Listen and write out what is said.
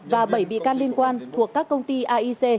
và bảy bị can liên quan thuộc các công ty aic